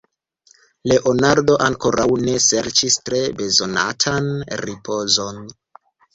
Leonardo ankoraŭ ne serĉis tre bezonatan ripozon.